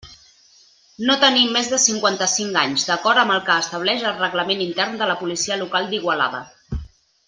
No tenir més de cinquanta-cinc anys, d'acord amb el que estableix el reglament Intern de la Policia Local d'Igualada.